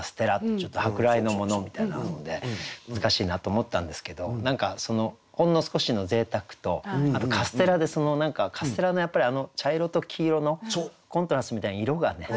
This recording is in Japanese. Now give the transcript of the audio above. ちょっと舶来のものみたいなので難しいなと思ったんですけど何かほんの少しのぜいたくとあとカステラで何かカステラのあの茶色と黄色のコントラストみたいな色がね